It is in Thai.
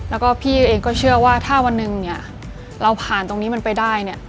แล้วก็พี่เองก็เชื่อว่าถ้าวันหนึ่งเนี่ยเราผ่านตรงนี้มันไปได้เนี่ย